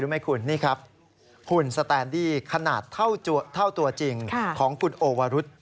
หุ่นสแตนดี้ขนาดเท่าตัวจริงของคุณโอวรุษ